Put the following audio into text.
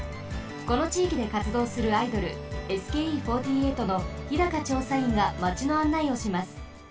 このちいきでかつどうするアイドルＳＫＥ４８の日高ちょうさいんがマチのあんないをします。